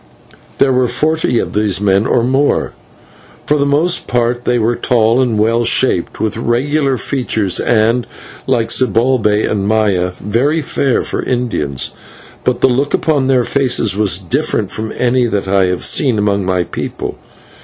There were forty of these men or more; for the most part they were tall and well shaped, with regular features, and, like Zibalbay and Maya, very fair for Indians, but the look upon their faces was different from any that I have seen among my people.